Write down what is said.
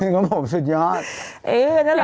เก๋งป้อมสุดยอดเออน่ารัก